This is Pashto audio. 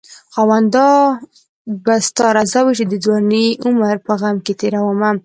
خاونده دا به ستا رضاوي چې دځوانۍ عمر په غم کې تيرومه